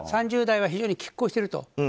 ３０代は非常に拮抗していると。